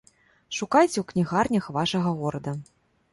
Шукайце ў кнігарнях вашага горада!